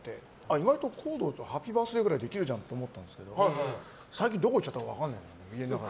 意外と、コードで「ハッピーバースデー」くらいできるじゃんって思ったけど最近どこ行っちゃったのか分からない。